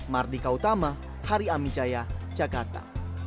mardika utama hari amin jaya jakarta